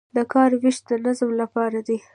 د کار ویش د نظم لپاره دی